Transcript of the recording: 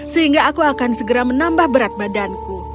sehingga aku akan segera menambah berat badanku